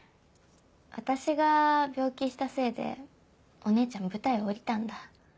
私が病気したせいでお姉ちゃん舞台を降りたんだ。